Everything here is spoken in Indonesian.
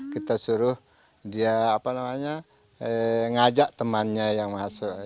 kita suruh dia ngajak temannya yang masuk